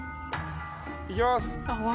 いきます。